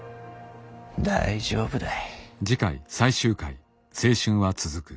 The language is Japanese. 大丈夫だい。